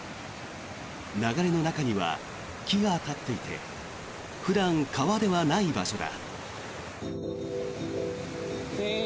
流れの中には木が立っていて普段、川ではない場所だ。